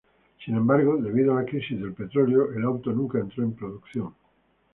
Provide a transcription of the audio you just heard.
Sin embargo, debido a la crisis del petróleo, el auto nunca entró en producción.